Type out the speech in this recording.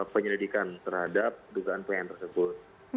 penyelidikan terhadap dugaan pn tersebut